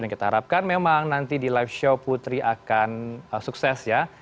kita harapkan memang nanti di live show putri akan sukses ya